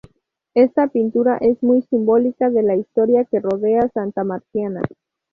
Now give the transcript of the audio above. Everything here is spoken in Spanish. Esta pintura es muy simbólica de la historia que rodea Santa Marciana.